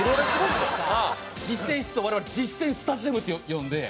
実践室を我々「実践スタジアム」って呼んで。